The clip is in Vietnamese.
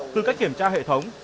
từ cách kiểm tra hệ thống